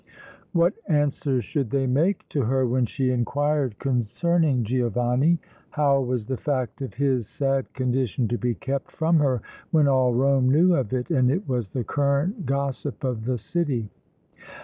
What answer should they make to her when she inquired concerning Giovanni? How was the fact of his sad condition to be kept from her when all Rome knew of it and it was the current gossip of the city?